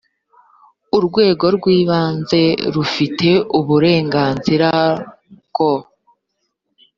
urwego rw ibanze rufite uburenganzira bwo